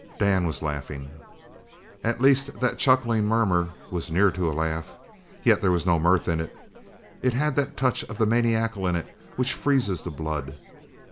Dan was laughing. At least that chuckling murmur was near to a laugh. Yet there was no mirth in it. It had that touch of the maniacal in it which freezes the blood.